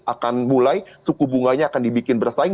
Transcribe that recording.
akan mulai suku bunganya akan dibikin bersaing